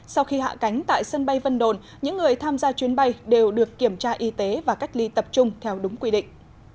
sau khi hạ cánh tại sân bay vân đồn những người tham gia chuyến bay đều được kiểm tra y tế và cách ly tập trung theo đúng quy định